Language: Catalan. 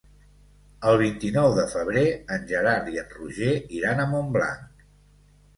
El vint-i-nou de febrer en Gerard i en Roger iran a Montblanc.